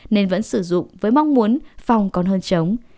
nên vẫn sử dụng với mong muốn phòng còn hơn chống